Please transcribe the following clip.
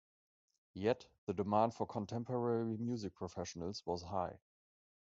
Yet, the demand for contemporary music professionals was high.